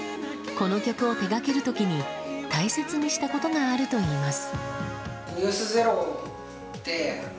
この曲を手掛ける時に大切にしたことがあるといいます。